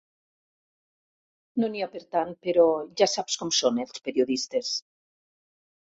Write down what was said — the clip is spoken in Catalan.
No n'hi ha per tant, però ja saps com som els periodistes.